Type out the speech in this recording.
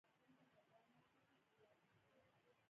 شیطان ولې دښمن دی؟